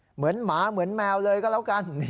เหมือนหมาเหมือนแมวเลยก็แล้วกัน